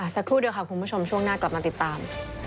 สักครู่เดียวค่ะคุณผู้ชมช่วงหน้ากลับมาติดตาม